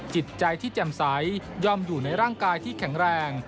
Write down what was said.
จิตใจที่แจ่มใสย่อมอยู่ในร่างกายที่แข็งแรง